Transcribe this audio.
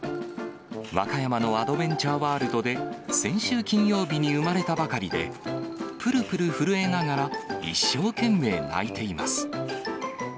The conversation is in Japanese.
和歌山のアドベンチャーワールドで先週金曜日に産まれたばかりで、ぷるぷる震えながら、一生懸命鳴いています。